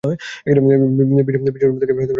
বিশুর room থেকে ব্যাগপত্র নিয়ে চলে যাব।